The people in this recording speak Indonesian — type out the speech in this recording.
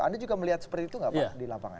anda juga melihat seperti itu nggak pak di lapangan